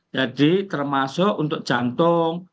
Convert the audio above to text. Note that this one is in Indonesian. jadi termasuk untuk jantung